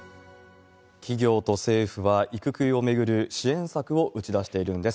企業と政府は、育休を巡る支援策を打ち出しているんです。